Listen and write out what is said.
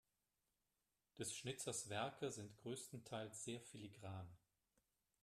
Des Schnitzers Werke sind größtenteils sehr filigran.